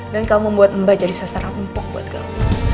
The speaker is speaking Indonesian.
dan kamu membuat mbak jadi sasaran umpuk buat kamu